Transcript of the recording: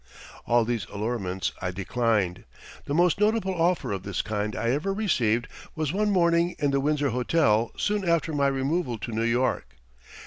All these allurements I declined. The most notable offer of this kind I ever received was one morning in the Windsor Hotel soon after my removal to New York.